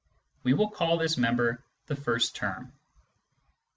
We will call this member " the first term."